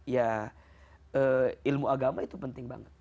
ya ilmu agama itu penting banget